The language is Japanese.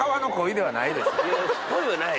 鯉はない？